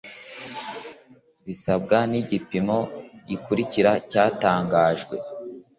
bisabwa n igipimo gikurikira cyatangajwe